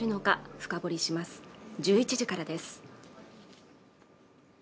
深掘りします、１１時からです。